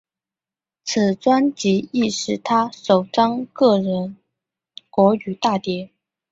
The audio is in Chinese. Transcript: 此专辑亦是他首张个人国语大碟。